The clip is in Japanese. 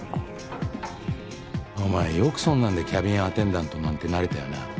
お前よくそんなんでキャビンアテンダントなんてなれたよな。